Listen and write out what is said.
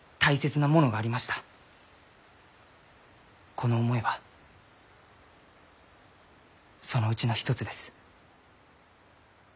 この思いはそのうちの一つです。